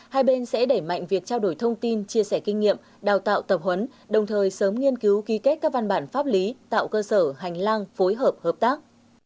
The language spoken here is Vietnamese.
hai bên sẽ đẩy mạnh việc trao đổi thông tin chia sẻ kinh nghiệm đào tạo tập huấn đồng thời sớm nghiên cứu ký kết các văn bản pháp lý tạo cơ sở hành lang phối hợp hợp tác